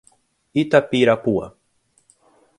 Itapirapuã